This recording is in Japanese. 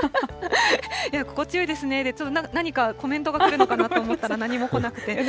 心地よいですねで、何かコメントが来るのかなと思ったら、何も来なくて。